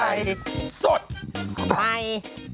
เฮ้สวัสดีครับ